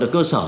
ở cơ sở